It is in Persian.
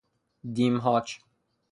دیمهاج